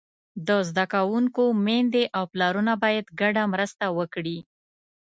د زده کوونکو میندې او پلرونه باید ګډه مرسته وکړي.